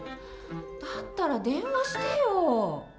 だったら電話してよ。